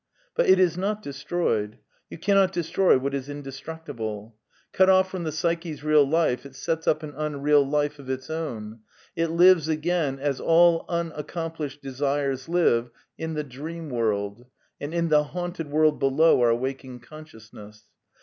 But it is not destroyed. You cannot destroy what is indestructible. Cut off from the psyche's real life, it sets up an unreal life of its own. It lives again, as all unac complished desires live, in the dream world, and in the haunted world below our waking consciousness.